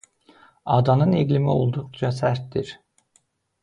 Adanın iqlimi olduqca sərtdir.